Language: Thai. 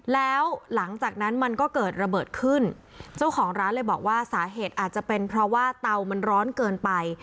แล้วหลังจากนั้นมันก็เกิดระเบิดขึ้นเจ้าของร้านเลยบอกว่าสาเหตุอาจจะเป็นเพราะว่าเตามันร้อนเกินไป